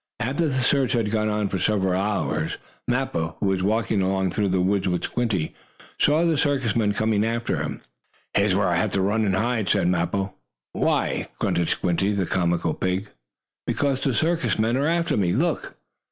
After the search had gone on for several hours, Mappo, who was walking along through the woods with Squinty, saw the circus men coming after him. "Here's where I have to run and hide," said Mappo. "Why?" grunted Squinty, the comical pig. "Because the circus men are after me. Look!"